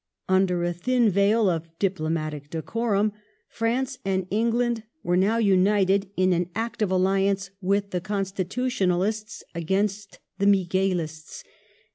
Under a thin veil of diplomatic decorum France and England were now united in an ._ active alliance with the Constitutionalists against the Miguelists.